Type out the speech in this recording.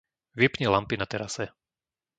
Vypni lampy na terase.